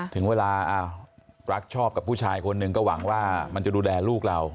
ถึงเวลารักชอบกับผู้ชายคนหนึ่งก็หวังว่ามันจะดูแลลูกเรา